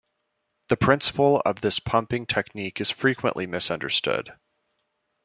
The principle of this pumping technique is frequently misunderstood.